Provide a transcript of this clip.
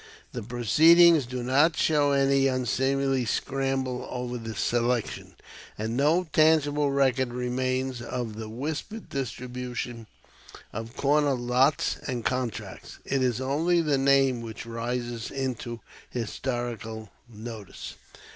The proceedings do not show any unseemly scramble over the selection, and no tangible record remains of the whispered distribution of corner lots and contracts. It is only the name which rises into historical notice.